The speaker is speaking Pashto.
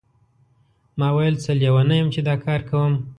ما ویل څه لیونی یم چې دا کار کوم.